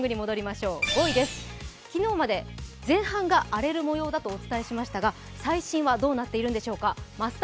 ５位です、昨日まで前半が荒れるもようだとお伝えしましたが最新はどうなっているんでしょうか。